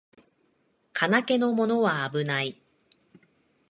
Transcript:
金気のものはあぶない